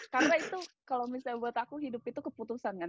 karena itu kalau misalnya buat aku hidup itu keputusan kan